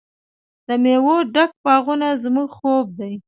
د میوو ډک باغونه زموږ خوب دی.